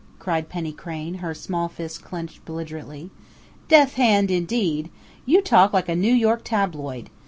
cried Penny Crain, her small fists clenched belligerently. "'Death hand', indeed! You talk like a New York tabloid!